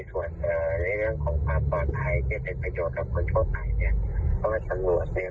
สิ่งเกี่ยวของเพิ่มความเข็มสิหรอมจดค้นทางสัตว์สถวน